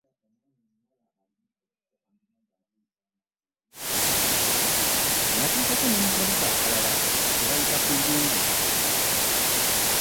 Natuukako ne mu kabuga akalala ke bayita Kumbungu.